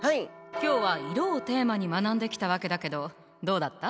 今日は「色」をテーマに学んできたわけだけどどうだった？